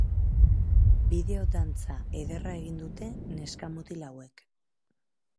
Bideo dantza ederra egin dute neska-mutil hauek.